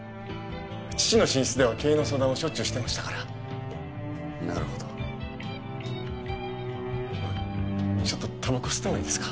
父の寝室では経営の相談をしょっちゅうしてましたからなるほどタバコ吸ってもいいですか？